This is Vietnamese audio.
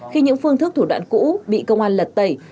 khi những phương thức thủ đoạn cũ bị công an lật tẩy